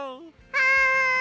はい！